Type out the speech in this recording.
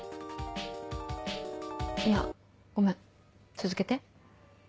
いやごめん続けて。